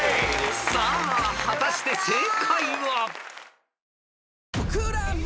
［さあ果たして正解は］